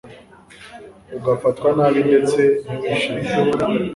ugafatwa nabi ndetse ntiwishimirwe